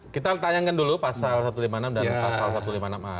kita tayangkan dulu pasal satu ratus lima puluh enam dan pasal satu ratus lima puluh enam a